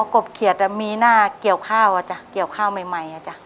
กบเขียดมีหน้าเกี่ยวข้าวอ่ะจ้ะเกี่ยวข้าวใหม่อ่ะจ้ะ